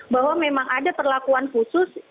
bahwa memang ada perlakuan khusus